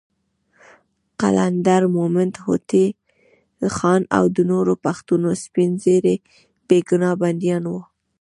قلندر مومند، هوتي خان، او د نورو پښتنو سپین ږیري بېګناه بندیان وو.